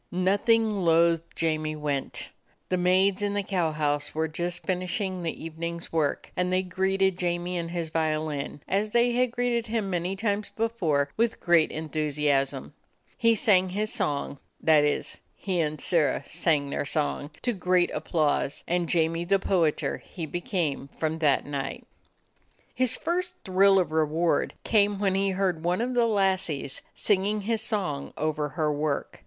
Nothing loath Jamie went. The maids in the cow house were just finishing the even ing's work, and they greeted Jamie and his violin, as they had greeted him many times 69 DOG HEROES OF MANY LANDS before, with great enthusiasm. He sang his song — that is, he and Sirrah sang their song, — to great applause, and "Jamie the Poeter" he became from that night. His first thrill of reward came when he heard one of the lassies singing his song over her work.